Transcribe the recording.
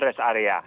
res area ya